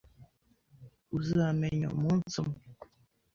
Uzamenya umunsi umwe.